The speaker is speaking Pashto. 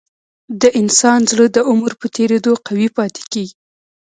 د انسان زړه د عمر په تیریدو قوي پاتې کېږي.